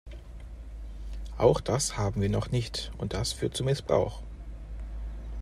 Auch das haben wir noch nicht, und das führt zu Missbrauch.